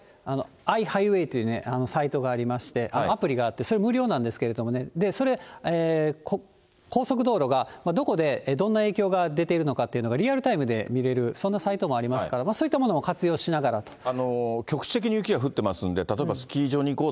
アイハイウエーというサイトがありまして、アプリがあって、それ、無料なんですけれどもね、それ高速道路が、どこでどんな影響が出ているのかっていうのが、リアルタイムで見れる、そんなサイトもありますから、そういったものも活用しながらと。